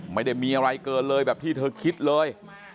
ไม่ได้มีอะไรเกินเลยแบบที่เธอคิดเลย